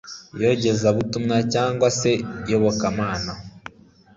iyogezabutumwa cyangwa se iyobokamana